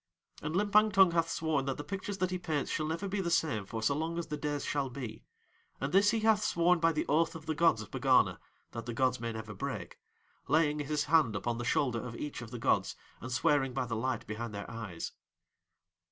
And Limpang Tung hath sworn that the pictures that he paints shall never be the same for so long as the days shall be, and this he hath sworn by the oath of the gods of Pegana that the gods may never break, laying his hand upon the shoulder of each of the gods and swearing by the light behind Their eyes.